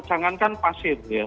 jangankan pasir ya